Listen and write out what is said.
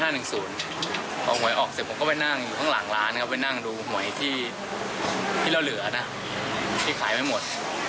พอหวยออกเสร็จผมก็ไปนั่งอยู่ข้างหลังร้านครับไปนั่งดูหวยที่เราเหลือนะที่ขายไม่หมด